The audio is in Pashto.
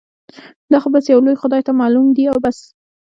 دا خو بس يو لوی خدای ته معلوم دي او بس.